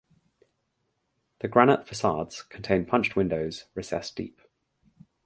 The granite facades contain punched windows recessed deep.